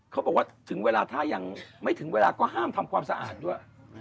เขาบอกว่าถึงเวลาถ้ายังไม่ถึงเวลาก็ห้ามทำความสะอาดด้วย